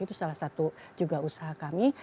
itu salah satu juga usaha kami